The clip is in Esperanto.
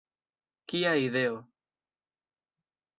Kia ideo!